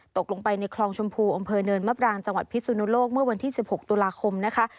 ตกลงไปในคลองชมพูอำเภอเนินมะปรางจังหวัดพิสุนโลกเมื่อวันที่๑๖ตุลาคมนะคะ